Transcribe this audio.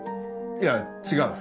いや違う。